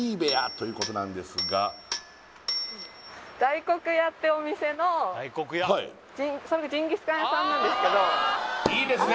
ということなんですが大黒屋ってお店のジンギスカン屋さんなんですけどいいですね